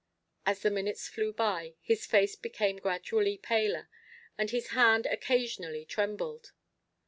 As the minutes flew by, his face became gradually paler, and his hand occasionally trembled.